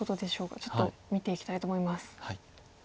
ちょっと見ていきたいと思います。